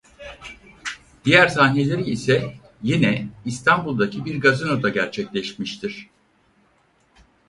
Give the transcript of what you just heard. Diğer sahneleri ise yine İstanbul'daki bir gazino'da gerçekleşmiştir.